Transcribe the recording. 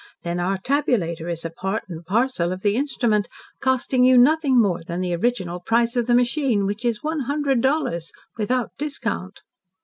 Then our tabulator is a part and parcel of the instrument, costing you nothing more than the original price of the machine, which is one hundred dollars without discount."